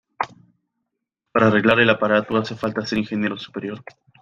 para arreglar el aparato hace falta ser ingeniero superior